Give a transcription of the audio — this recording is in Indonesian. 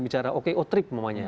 bicara oke otrip umpamanya